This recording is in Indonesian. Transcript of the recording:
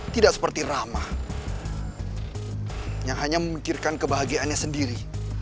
tidak seperti ramah yang hanya memikirkan kebahagiaannya sendiri